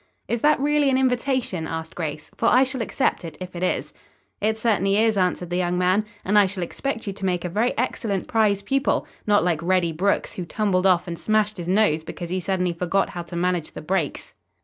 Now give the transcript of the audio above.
"Is that really an invitation?" asked Grace. "For I shall accept it, if it is." "It certainly is," answered the young man, "and I shall expect you to make a very excellent prize pupil, not like Reddy Brooks, who tumbled off and smashed his nose because he suddenly forgot how to manage the brakes."